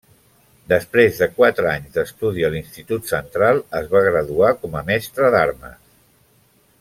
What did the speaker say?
Després de quatre anys d'estudi a l'Institut Central, es va graduar com a mestre d'armes.